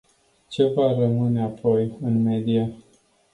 Ce va rămâne apoi, în medie?